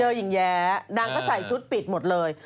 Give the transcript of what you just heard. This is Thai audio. หญิงแย้นางก็ใส่ชุดปิดหมดเลย